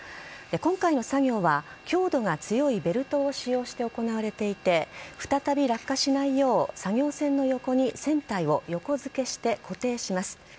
今回の作業は強度が強いベルトを使用して行われていて再び落下しないよう作業船の横に船体を横付けして固定します。